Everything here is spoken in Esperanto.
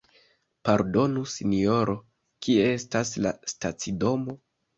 Pardonu sinjoro, kie estas la stacidomo?